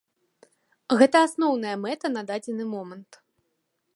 Гэта асноўная мэта на дадзены момант.